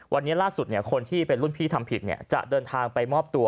วันนี้ล่าสุดคนที่เป็นรุ่นพี่ทำผิดจะเดินทางไปมอบตัว